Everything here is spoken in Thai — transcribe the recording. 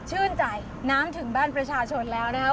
ชื่นใจน้ำถึงบ้านประชาชนแล้วนะครับ